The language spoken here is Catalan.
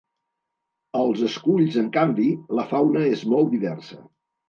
Als esculls, en canvi, la fauna és molt diversa.